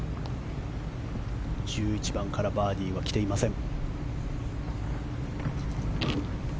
１１番からバーディーは来ていません。